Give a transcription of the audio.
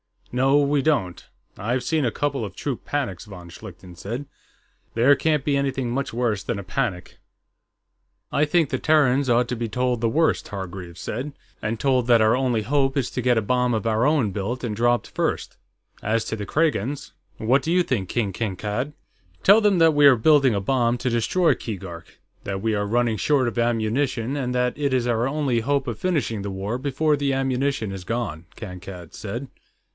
"No, we don't. I've seen a couple of troop panics," von Schlichten said. "There can't be anything much worse than a panic." "I think the Terrans ought to be told the worst," Hargreaves said. "And told that our only hope is to get a bomb of our own built and dropped first. As to the Kragans.... What do you think, King Kankad?" "Tell them that we are building a bomb to destroy Keegark; that we are running short of ammunition, and that it is our only hope of finishing the war before the ammunition is gone," Kankad said.